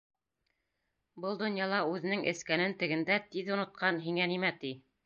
Был донъяла үҙенең эскәнен тегендә тиҙ онотҡан Һиңә нимә ти?